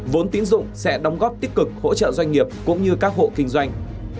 vốn tín dụng sẽ đóng góp tích cực hỗ trợ doanh nghiệp cũng như các hộ kinh doanh